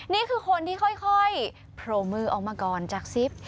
นี่คือคนที่ค่อยโผล่มือออกมาก่อนจากซิป